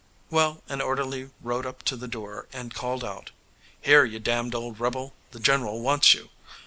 Well, an orderly rode up to the door and called out, 'Here, you damned old rebel, the general wants you.'